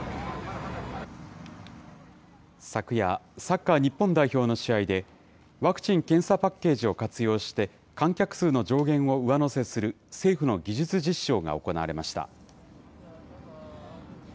昨夜、サッカー日本代表の試合で、ワクチン・検査パッケージを活用して観客数の上限を上乗せする、政府の技術実証が行われました。